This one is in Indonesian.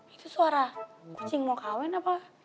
itu suara kucing mau kawin apa